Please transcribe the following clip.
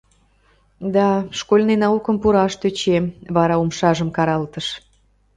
— Да, школьный наукым пураш тӧчем, — вара умшажым каралтыш.